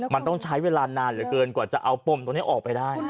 มันต้องใช้เวลานานเหลือเกินกว่าจะเอาปมตรงนี้ออกไปได้